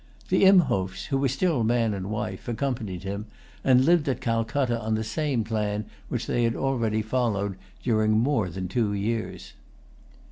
The Imhoffs, who were still man and wife, accompanied him, and lived at Calcutta on the same plan which they had already followed during more than two years.